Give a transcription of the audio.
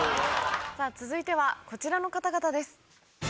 続いてはこちらの方々です。